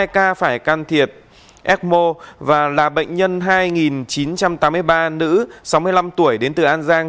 hai ca phải can thiệp ecmo và là bệnh nhân hai chín trăm tám mươi ba nữ sáu mươi năm tuổi đến từ an giang